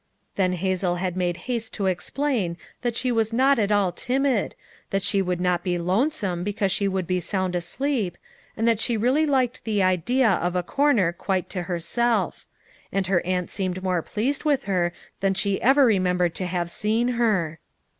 Then Hazel had made haste to explain that she was not at all timid, that she would not be lonesome because she would be sound asleep, and that she really liked the idea of a corner quite to herself; and her aunt seemed more pleased with her than she ever remembered to have seen her.